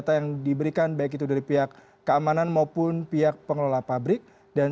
karena kondisinya amat mengkhawatirkan